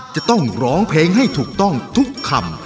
จะต้องร้องเพลงให้ถูกต้องทุกคำ